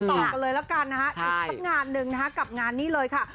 ต่อกันเลยแล้วกันนะฮะอีกสักงานหนึ่งนะคะกับงานนี้เลยค่ะ